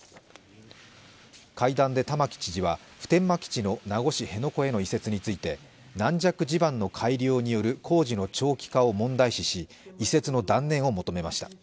会談で玉城知事は、普天間基地の名護市辺野古への移設について軟弱地盤の改良による工事の長期化を問題視し移設の断念を求めました。